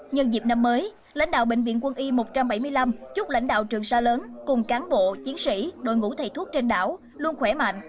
nhân dịp năm mới lãnh đạo bệnh viện quân y một trăm bảy mươi năm chúc lãnh đạo trường sa lớn cùng cán bộ chiến sĩ đội ngũ thầy thuốc trên đảo luôn khỏe mạnh